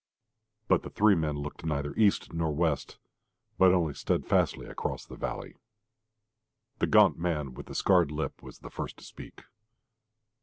But the three men looked neither east nor west, but only steadfastly across the valley. The gaunt man with the scarred lip was the first to speak.